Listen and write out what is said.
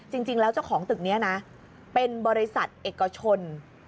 จริงแล้วเจ้าของตึกนี้นะเป็นบริษัทเอกชน